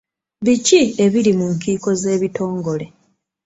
Biki ebiri mu nkiiko z'ebitongole?